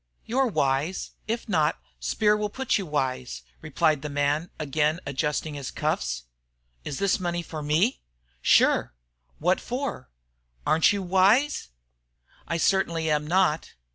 "You're wise. If not, Speer will put you wise," replied the man, again adjusting his cuffs. "Is this money for me?" "Sure." "What for?" "Aren't you wise?" "I certainly am not."